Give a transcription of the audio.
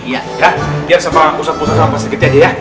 ya biar sama ustadz musa sama pak sri kiti aja ya